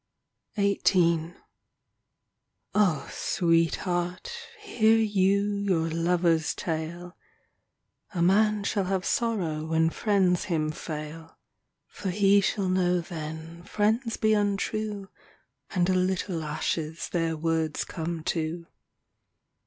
XVIII O SWEETHEART, hear you Your lover's tale ; A man shall have sorrow When friends him fail. For he shall know then Friends be untrue And a little ashes Their words come to.